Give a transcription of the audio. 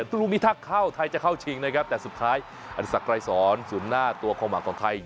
ทุกลูกนี้ถ้าเข้าไทยจะเข้าชิงนะครับแต่สุดท้ายอันสักรายสอนศูนย์หน้าตัวความหวังของไทย